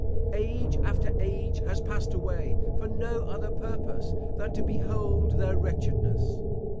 Age after age has passed away, for no other purpose than to behold their wretchedness.